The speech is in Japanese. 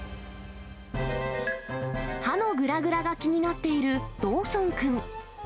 歯のぐらぐらが気になっているドーソン君。